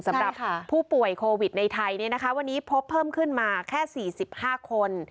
สำหรับผู้ป่วยโควิดในไทยวันนี้พบเพิ่มขึ้นมาแค่๔๕คน